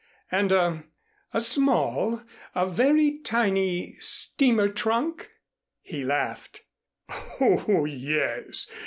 "And a a small, a very tiny steamer trunk?" He laughed.